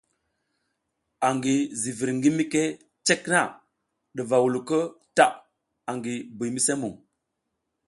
Angi zivir ngi mike cek na ɗuva wuluko ta angi Buymisemuŋ.